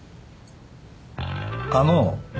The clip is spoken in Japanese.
あの。